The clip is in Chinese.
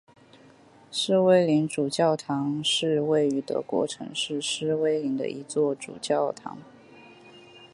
诗威林主教座堂是位于德国城市诗威林的一座主教座堂。